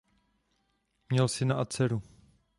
Měl syna a dceru.